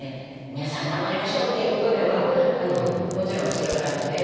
皆さん頑張りましょうっていうことではもちろんそれは駄目で。